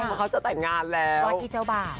เพราะเขาจะแต่งงานแล้วว่าที่เจ้าบ่าว